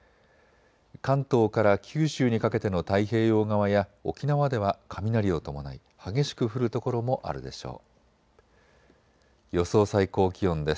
関東から九州にかけての太平洋側や沖縄では雷を伴い激しく降る所もあるでしょう。